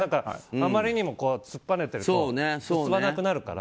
あまりにも突っぱねてると進まなくなるから。